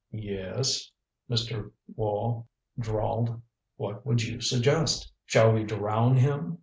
"Yes?" Mr. Wall drawled. "What would you suggest? Shall we drown him?